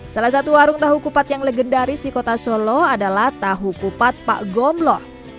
salah satu warung tahu kupat yang legendaris di kota solo adalah tahu kupat pak gomblo